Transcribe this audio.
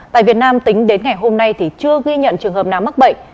tại việt nam tính đến ngày hôm nay thì chưa ghi nhận trường hợp nào mắc bệnh